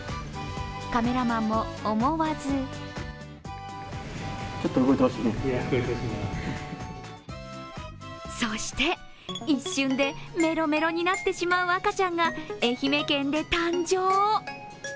カメラマンも思わずそして、一瞬でメロメロになってしまう赤ちゃんが愛媛県で誕生。